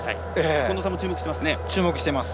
近藤さんも注目してますね。